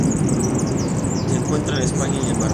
Se encuentra en España y en Marruecos.